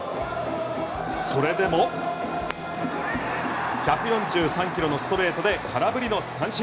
それでも１４３キロのストレートで空振りの三振。